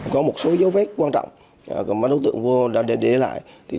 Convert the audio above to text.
có một số dấu vết quan trọng mà đối tượng đã để lại